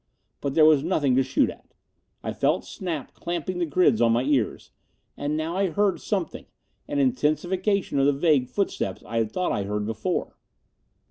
But there was nothing to shoot at. I felt Snap clamping the grids on my ears. And now I heard something! An intensification of the vague footsteps I had thought I heard before.